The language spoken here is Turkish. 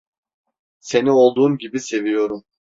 Seni olduğun gibi seviyorum.